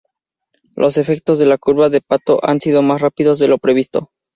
Los efectos de la curva de pato han sido más rápidos de lo previsto.